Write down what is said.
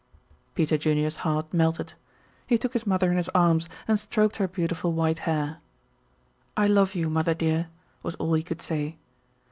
Peter Junior's heart melted. He took his mother in his arms and stroked her beautiful white hair. "I love you, mother, dear," was all he could say.